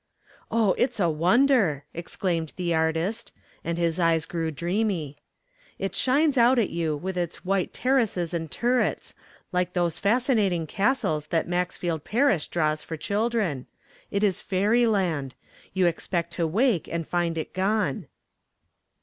"Oh, it's a wonder," exclaimed the artist, and his eyes grew dreamy. "It shines out at you with its white terraces and turrets like those fascinating castles that Maxfield Parrish draws for children. It is fairyland. You expect to wake and find it gone."